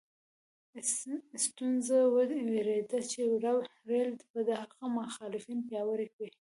سټیونز وېرېده چې رېل به د هغه مخالفین پیاوړي کړي.